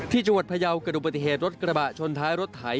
ที่จังหวัดพยาวกระดูกปฏิเหตุรถกระบะชนท้ายรถไถ